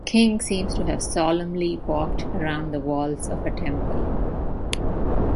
The king seems to have solemnly walked around the walls of a temple.